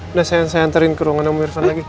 udah sayang saya nganterin ke ruangan kamu irfan lagi